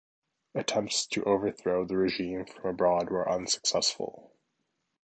Attempts to overthrow the regime from abroad were unsuccessful.